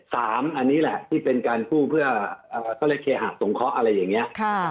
อันนี้แหละที่เป็นการกู้เพื่อเขาเรียกเคหะสงเคราะห์อะไรอย่างนี้